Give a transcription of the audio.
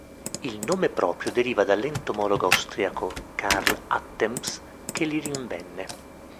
Il nome proprio deriva dall'entomologo austriaco Carl Attems che li rinvenne.